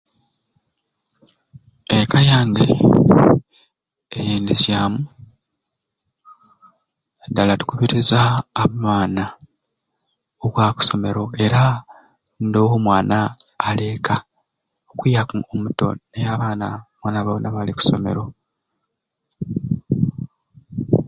Eka yange eyendesyamu nadala tukubiriza abaana okwaba oku somero era ndoowo mwana ali eka okwiyaku omuto naye abaana boona boona bali ku somero.